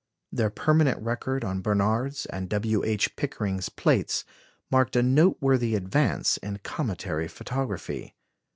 Their permanent record on Barnard's and W. H. Pickering's plates marked a noteworthy advance in cometary photography.